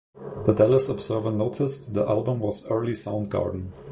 The "Dallas Observer" noticed the album was "early Soundgarden.